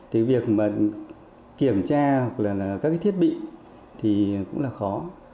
thì việc kiểm tra hoặc là các thiết bị thì cũng là khó